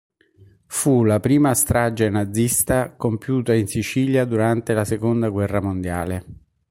Fu la prima strage nazista compiuta, in Sicilia, durante la seconda guerra mondiale.